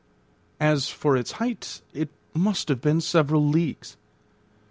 As for its height, it must have been several leagues.